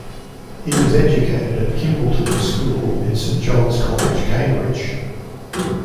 He was educated at Kimbolton School and Saint John's College, Cambridge.